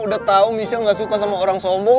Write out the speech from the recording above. udah tau michel gak suka sama orang sombong